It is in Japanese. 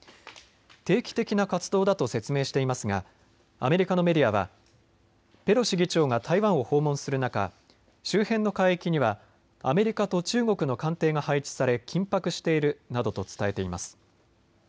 定期的な活動活動だと説明していますがアメリカのメディアはペロシ議長が台湾を訪問する中、周辺の海域にはアメリカと中国の艦艇が配置され緊迫しているなどと伝えています。